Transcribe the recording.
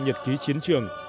nhật ký chiến trường